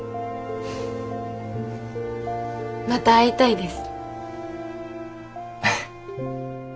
また会いたいです。